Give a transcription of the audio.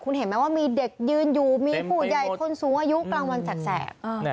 คุณเห็นไหมว่ามีเด็กยืนอยู่มีผู้ใหญ่คนสูงอายุกลางวันแสก